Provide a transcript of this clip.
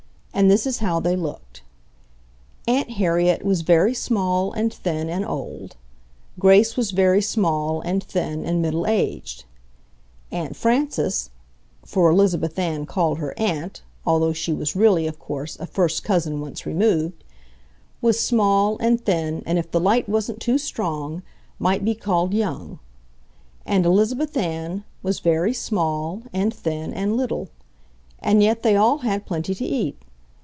And this is how they looked: Aunt Harriet was very small and thin and old, Grace was very small and thin and middle aged, Aunt Frances (for Elizabeth Ann called her "Aunt," although she was really, of course, a first cousin once removed) was small and thin and if the light wasn't too strong might be called young, and Elizabeth Ann was very small and thin and little. And yet they all had plenty to eat.